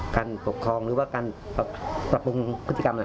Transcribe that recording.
การปกครองหรือว่าการปรับปรุงพฤติกรรม